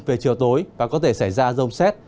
về chiều tối và có thể xảy ra rông xét